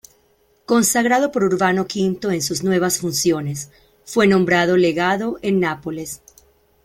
Consagrado por Urbano V en sus nuevas funciones, fue nombrado Legado en Nápoles.